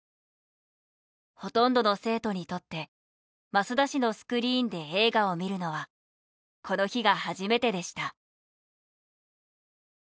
ほとんどの生徒にとって益田市のスクリーンで映画を見るのはこの日が初めてでした。